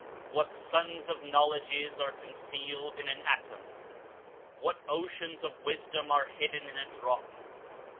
JVhat suns of knowledges are concealed in an atom! JFhat oceans of zvisdom are hidden in a drop!